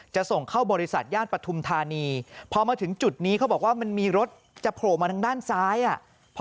จะส่งเข้าบริษัทย่านปฐุมธานีพอมาถึงจุดนี้เขาบอกว่ามันมีรถจะโผล่มาทางด้านซ้ายอ่ะ